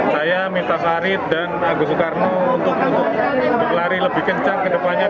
saya minta farid dan agus soekarno untuk berlari lebih kencang ke depannya